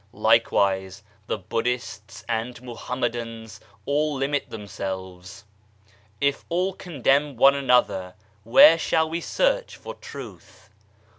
Likewise the Buddhists and Mohammedans ; all limit themselves. If all condemn one another, where shall we search for Truth ?